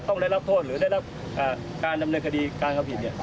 ก็งได้รับโทษหรือได้เสร็จขออนุญาตนำเนินคดีการเขาผิดเนี่ย